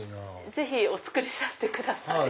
ぜひお作りさせてください。